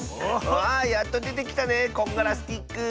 わあやっとでてきたねこんがらスティック！